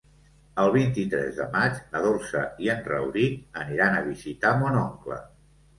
El vint-i-tres de maig na Dolça i en Rauric aniran a visitar mon oncle.